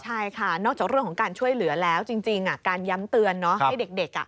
ใช่ค่ะนอกจากเรื่องของการช่วยเหลือแล้วจริงการย้ำเตือนให้เด็ก